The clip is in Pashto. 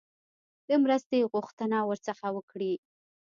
د مرستې غوښتنه ورڅخه وکړي.